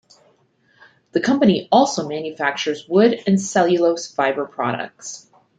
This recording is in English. The company also manufactures wood and cellulose fiber products.